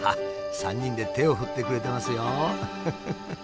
３人で手を振ってくれてますよ。